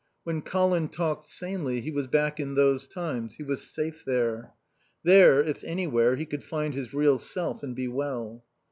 When Colin talked sanely he was back in those times. He was safe there. There, if anywhere, he could find his real self and be well.